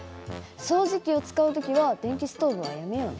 掃除機を使う時は電気ストーブはやめようね。